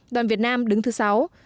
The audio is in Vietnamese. đoàn việt nam đứng thứ sáu